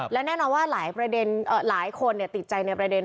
และแน่นอนว่าร้ายคนติดใจในประเด็น